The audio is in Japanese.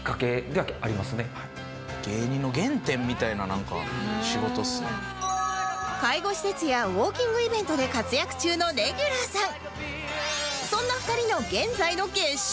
ものすごく何か介護施設やウオーキングイベントで活躍中のレギュラーさん